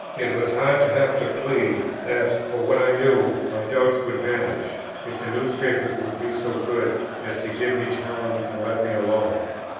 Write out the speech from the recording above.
It was hard to have to plead, that, for what I knew, my doubts would vanish, if the newspapers would be so good as to give me time and let me alone.